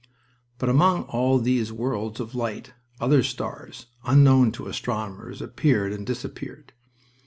But among all these worlds of light other stars, unknown to astronomers, appeared and disappeared.